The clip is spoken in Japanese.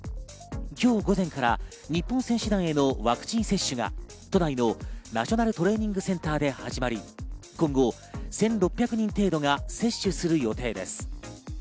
今日午前から日本選手団へのワクチン接種が都内のナショナルトレーニングセンターで始まり、今後１６００人程度が接種する予定です。